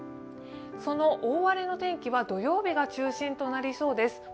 その大荒れの天気は土曜日が中心となりそうです。